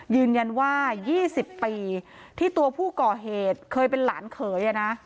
ยืนยันว่า๒๐ปีที่ตัวผู้ก่อเหตุเคยเป็นหลานเขย